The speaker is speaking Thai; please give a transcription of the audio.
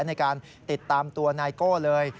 ในการติดตามตัวนายโก้เลย